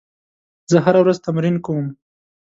زه هره ورځ تمرین کوم.